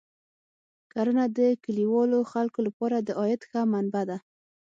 کرنه د کلیوالو خلکو لپاره د عاید ښه منبع ده.